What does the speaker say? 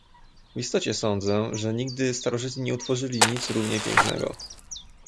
"W istocie sądzę, że nigdy starożytni nie utworzyli nic równie pięknego."